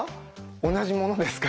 同じものですか？